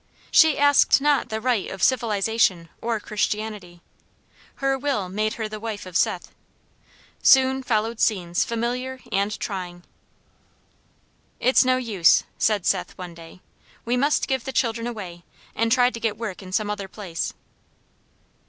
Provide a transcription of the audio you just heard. She asked not the rite of civilization or Christianity. Her will made her the wife of Seth. Soon followed scenes familiar and trying. "It's no use," said Seth one day; "we must give the children away, and try to get work in some other place."